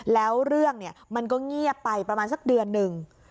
แล้วเรื่องมันก็เงียบไปประมาณสักเดือนหนึ่ง